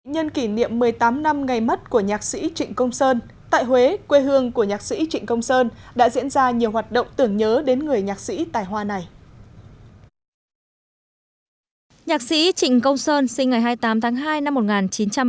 nhân kỷ niệm một mươi tám năm ngày mất của nhạc sĩ trịnh công sơn tại huế quê hương của nhạc sĩ trịnh công sơn đã diễn ra nhiều hoạt động tưởng nhớ đến người nhạc sĩ tài hoa này